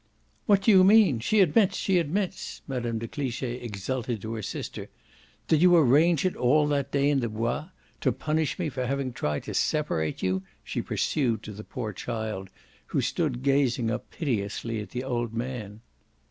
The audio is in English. "What do you mean? She admits she admits!" Mme. de Cliche exulted to her sister. "Did you arrange it all that day in the Bois to punish me for having tried to separate you?" she pursued to the poor child, who stood gazing up piteously at the old man.